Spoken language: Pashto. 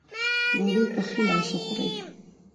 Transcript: ډوډۍ پۀ ښي لاس وخورئ ـ